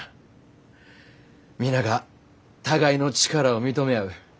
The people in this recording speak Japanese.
皆が互いの力を認め合う。